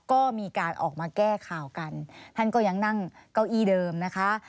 ก็มีการออกมาแก้ข่าวกันท่านก็ยังนั่งเก้าอี้เดิมนะคะ